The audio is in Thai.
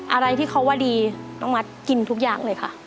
อะไรที่เขาว่าดีน้องมัดกินทุกอย่างเลยค่ะ